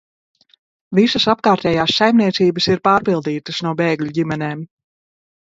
Visas apkārtējās saimniecības ir pārpildītas no bēgļu ģimenēm.